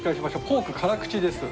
ポーク辛口です。